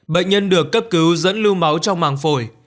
bệnh nhân được cấp cứu dẫn lưu máu trong màng phổi